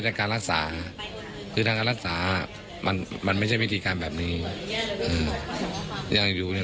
การรักษาคือทางการรักษามันมันไม่ใช่วิธีการแบบนี้ยังอยู่ใน